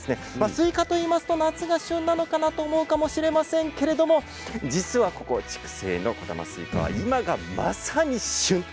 スイカといいますと夏が旬なのかなと思うかもしれませんけれど実は筑西の小玉スイカは今がまさに旬。